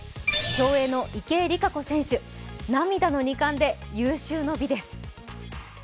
競泳の池江璃花子選手、涙の２冠で有終の美です。